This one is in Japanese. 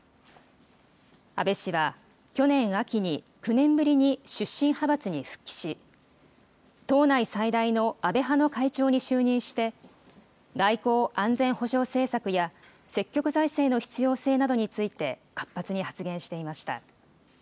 安倍氏は、去年秋に９年ぶりに出身派閥に復帰し、党内最大の安倍派の会長に就任して、外交・安全保障政策や、積極財政の必要性などについて、活発に発言していました。